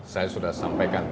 saya sudah sampaikan